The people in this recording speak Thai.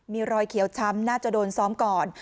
มีรอยเขียวช้ำน่าจะโดนซ้อมก่อน